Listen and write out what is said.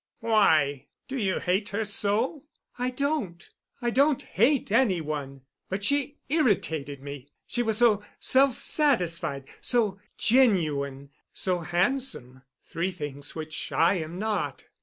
"Why—do you hate her so?" "I don't. I don't hate any one. But she irritated me. She was so self satisfied, so genuine, so handsome—three things which I am not."